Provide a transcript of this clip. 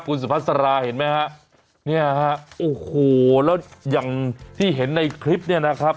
คุณสุภาษาราเห็นไหมฮะเนี่ยฮะโอ้โหแล้วอย่างที่เห็นในคลิปเนี่ยนะครับ